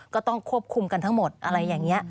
ก็ต้องควบคุมกันทั้งหมดอะไรอย่างนี้